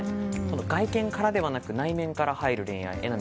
外見からではなく内面から入る恋愛。